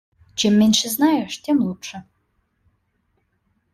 Чем меньше знаешь, тем лучше.